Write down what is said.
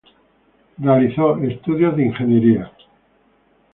Realizó estudios de ingeniería.